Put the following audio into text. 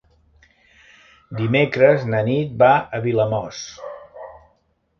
Dimecres na Nit va a Vilamòs.